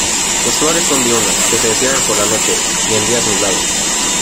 Las flores son diurnas, que se cierran por la noche y en días nublados.